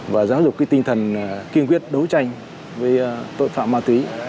và giáo dục tinh thần kiên quyết đấu tranh với tội phạm ma túy